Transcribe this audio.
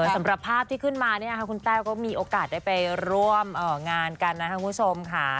สำหรับภาพที่ขึ้นมาก็มีโอกาสได้ร่วมงานกันคุณผู้ชมค่ะ